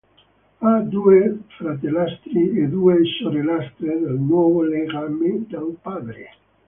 Ha due fratellastri e due sorellastre dal nuovo legame del padre.